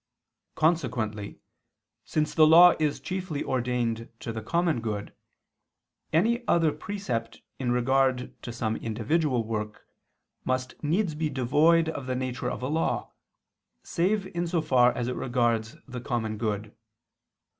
Consequently, since the law is chiefly ordained to the common good, any other precept in regard to some individual work, must needs be devoid of the nature of a law, save in so far as it regards the common good.